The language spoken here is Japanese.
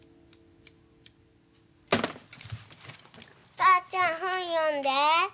お母ちゃん本読んで。